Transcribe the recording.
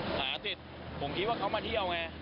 หาเสร็จผมคิดว่าเขามาเที่ยวไง